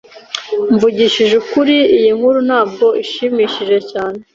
Mvugishije ukuri, iyi nkuru ntabwo ishimishije cyane.